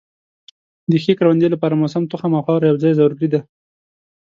د ښې کروندې لپاره موسم، تخم او خاوره یو ځای ضروري دي.